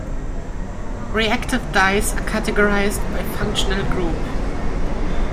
Reactive dyes are categorized by functional group.